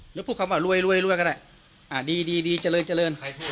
หรือพูดคำว่าลวยก็ได้ดีเจริญ